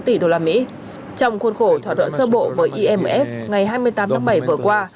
trong khuôn khổ thỏa thuận sơ bộ với imf ngày hai mươi tám tháng bảy vừa qua